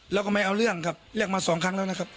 แล้วก็ไม่เอาเรื่องครับเรียกมาสองครั้งแล้วนะครับ